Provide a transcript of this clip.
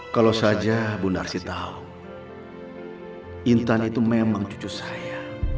kalau saja bu narsi tahu intan itu memang cucu saya